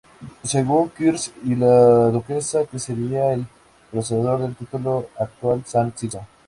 Según Kirsch y la duquesa, que sería el predecesor del título actual San Sixto.